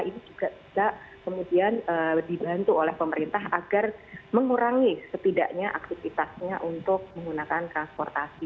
ini juga bisa kemudian dibantu oleh pemerintah agar mengurangi setidaknya aktivitasnya untuk menggunakan transportasi